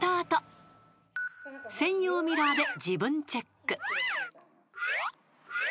［専用ミラーで自分チェック］